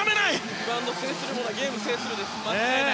リバウンドを制する者はゲームを制するです。